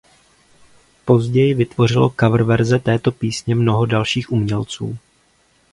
Později vytvořilo coververze této písně mnoho dalších umělců.